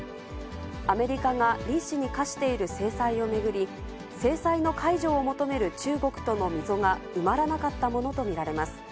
アメリカが李氏に科している制裁を巡り、制裁の解除を求める中国との溝が埋まらなかったものと見られます。